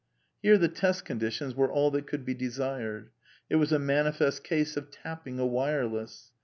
Here the test conditions were all that could be desired. It was a manifest case of tapping a " wireless."